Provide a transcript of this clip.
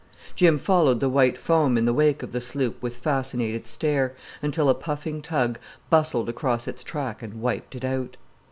Jim followed the white foam in the wake of the sloop with fascinated stare, until a puffing tug bustled across its track and wiped it out.